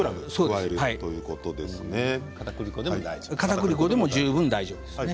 かたくり粉でも大丈夫なんですね。